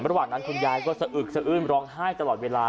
ระหว่างนั้นคุณยายก็สะอึกสะอื้นร้องไห้ตลอดเวลา